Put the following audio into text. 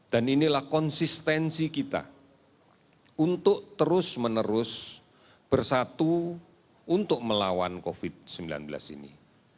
dan inilah konsistensi kita untuk terus menerus bersatu untuk melawan covid sembilan belas ini